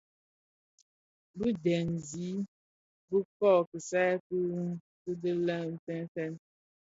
Bi dèn ziň bikö kisaï ki dhi lè fènfèn.